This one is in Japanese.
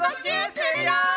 するよ！